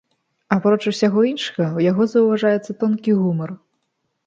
Апроч усяго іншага, у яго заўважаецца тонкі гумар.